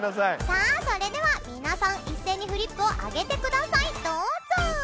さあそれでは皆さん一斉にフリップを上げてくださいどうぞ。